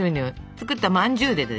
作ったまんじゅうでですね